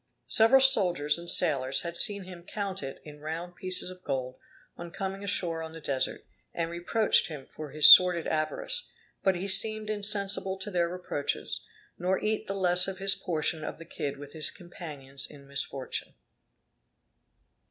Several soldiers and sailors had seen him count it in round pieces of gold, on coming ashore on the Desert, and reproached him for his sordid avarice; but he seemed insensible to their reproaches, nor eat the less of his portion of the kid with his companions in misfortune.